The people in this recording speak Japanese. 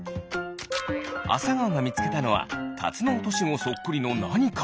あさがおがみつけたのはタツノオトシゴそっくりのなにか。